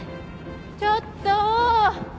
ちょっと！